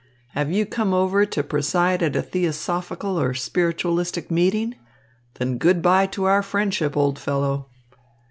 Have you come over to preside at a theosophical or spiritualistic meeting? Then good bye to our friendship, old fellow."